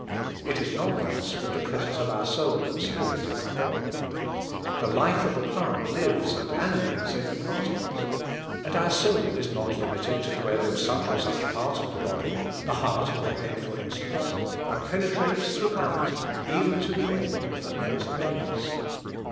It is not thus with the presence of our soul and spirit in our body. The life of a plant lives and ani mates every part of it; and our soul is not limited to dwell in such or such part it!' ill,, body, the heart or the bead for in stance, hut penetrates (:hrimghout, eveu to the end of the lowest members.